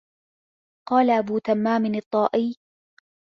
قَالَ أَبُو تَمَّامٍ الطَّائِيُّ